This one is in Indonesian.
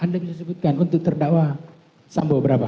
anda bisa sebutkan untuk terdakwa sambo berapa